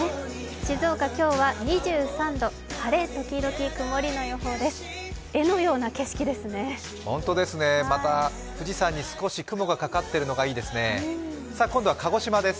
静岡、今日は２３度、晴れ時々曇りの予報です。